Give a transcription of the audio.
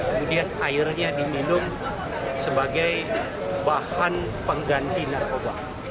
kemudian airnya diminum sebagai bahan pengganti narkoba